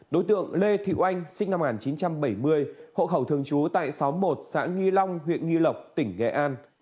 đối tượng lê thị oanh sinh năm một nghìn chín trăm bảy mươi hộ khẩu thường trú tại xóm một xã nghi long huyện nghi lộc tỉnh nghệ an